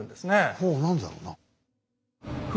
ほう何だろうな。